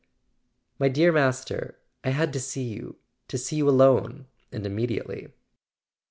"My dear Master, I had to see you—to see you alone and immediately."